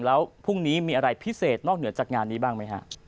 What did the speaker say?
แล้วพรุ่งนี้มีอะไรพิเศษนอกเหนือจากงานนี้บ้างไหมฮะ